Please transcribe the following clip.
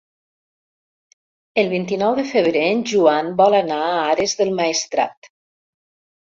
El vint-i-nou de febrer en Joan vol anar a Ares del Maestrat.